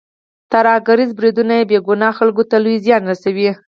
ترهګریز بریدونه بې ګناه خلکو ته لوی زیان رسوي.